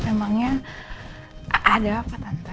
emangnya ada apa tante